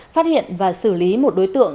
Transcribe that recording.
phát hiện và xử lý một đối tượng